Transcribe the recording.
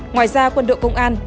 ngoài ra quân đội công an